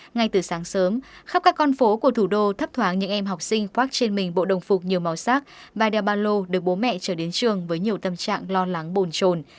ngay từ sáng sớm khắp các con phố của thủ đô thấp thoáng những em học sinh khoác trên mình bộ đồng phục nhiều màu sắc maida ba lô được bố mẹ trở đến trường với nhiều tâm trạng lo lắng bồn trồn